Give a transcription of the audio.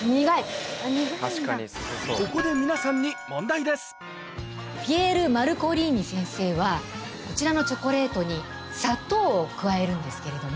ここで皆さんにピエール・マルコリーニ先生はこちらのチョコレートに砂糖を加えるんですけれども。